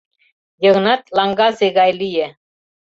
Йыгнат лаҥгазе гай лие.